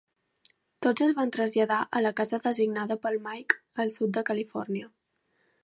Tots es van traslladar a la casa designada pel Mike al sud de Califòrnia.